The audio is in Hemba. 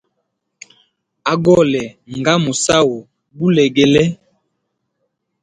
Agole nga musahu gulegele.